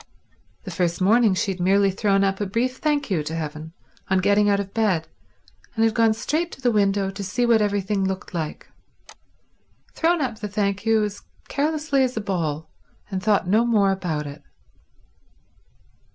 The first morning she had merely thrown up a brief thank you to heaven on getting out of bed, and had gone straight to the window to see what everything looked like—thrown up the thank you as carelessly as a ball, and thought no more about it.